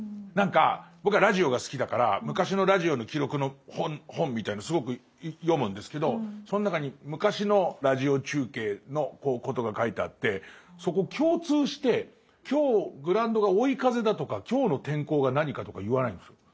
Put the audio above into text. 何か僕はラジオが好きだから昔のラジオの記録の本みたいなのすごく読むんですけどその中に昔のラジオ中継のことが書いてあってそこ共通して今日グラウンドが追い風だとか今日の天候が何かとか言わないんです。